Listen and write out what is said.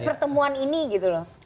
jadi pertemuan ini gitu loh